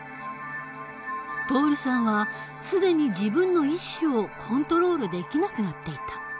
徹さんは既に自分の意思をコントロールできなくなっていた。